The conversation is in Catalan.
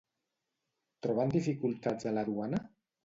Troben dificultats a la duana?